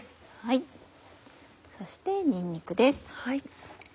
そしてにんにくです。